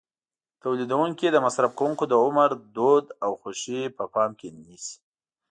تولیدوونکي د مصرف کوونکو د عمر، دود او خوښې په پام کې نیسي.